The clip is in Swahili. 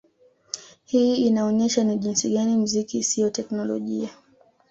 Hii inaonyesha ni jinsi gani mziki siyo teknolojia